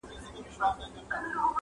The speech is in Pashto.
نشه لري مستي لري په عیبو کي یې نه یم,